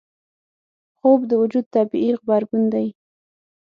خوب د وجود طبیعي غبرګون دی